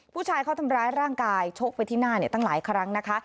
ผู้ชายเขาทำร้ายร่างกายชกไปที่หน้าตั้งหลายครั้งนะคะ